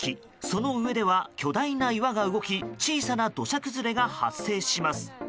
その上では、巨大な岩が動き小さな土砂崩れが発生します。